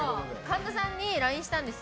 神田さんにＬＩＮＥしたんです。